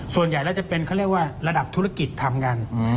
ส่วนใหญ่แล้วจะเป็นเขาเรียกว่าระดับธุรกิจทำกัน